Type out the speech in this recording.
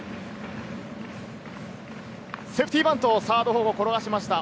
セーフティーバント、サード方向に転がしました。